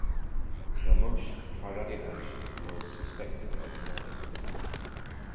Ramush Haradinaj was suspected of murder.